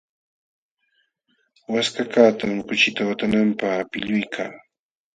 Waskakaqtam kuchita watananapaq pilluyka.